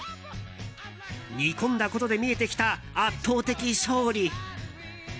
煮込んだことで見えてきた圧倒的勝利。